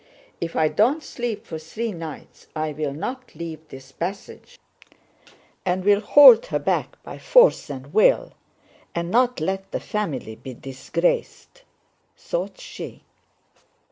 If I don't sleep for three nights I'll not leave this passage and will hold her back by force and will and not let the family be disgraced," thought she.